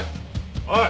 おい。